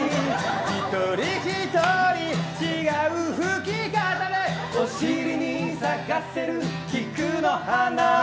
一人ひとり、違う吹き方でお尻に咲かせる菊の花。